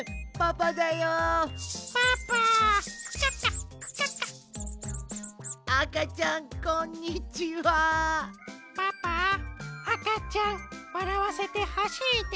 パパあかちゃんわらわせてほしいですぷっ。